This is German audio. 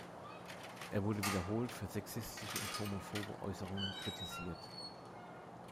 Er wurde wiederholt für sexistische und homophobe Äußerungen kritisiert.